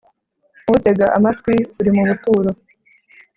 utega amatwi uri mu buturo